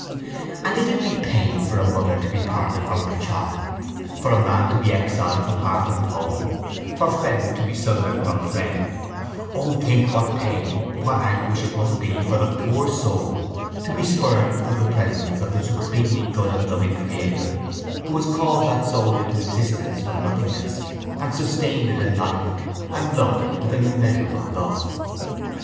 And if it be pain for a mother to be parted from her child, for a man to be exiled from hearth and home, for friend to be sundered from friend, O think what pain, what anguish it must be for the poor soul to be spurned from the presence of the supremely good and loving Creator Who has called that soul into existence from nothingness and sustained it in life and loved it with an immeasurable love.